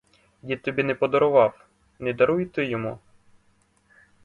Дід тобі не подарував, не даруй і ти йому.